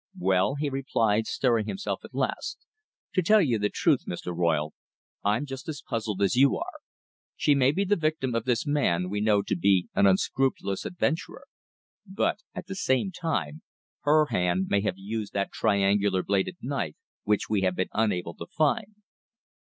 "Well," he replied, stirring himself at last, "to tell you the truth, Mr. Royle, I'm just as puzzled as you are. She may be the victim of this man we know to be an unscrupulous adventurer, but, at the same time, her hand may have used that triangular bladed knife which we have been unable to find."